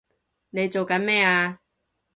你做緊咩啊！